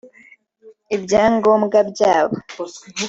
ibyangombwa byabo